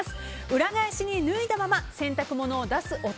裏返しに脱いだまま洗濯物を出す夫。